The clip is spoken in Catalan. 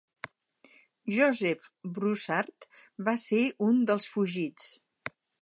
Joseph Broussard va ser un dels fugits.